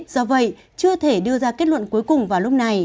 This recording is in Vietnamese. do vậy chưa thể đưa ra kết luận cuối cùng vào lúc này